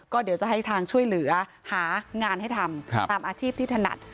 ก็เดี๋ยวจะให้ทางช่วยเหลือหางานให้ทำตามอาชีพที่ถนัด